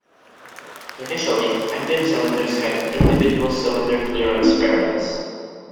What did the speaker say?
Initially, engine cylinders had individual cylinder clearance fairings.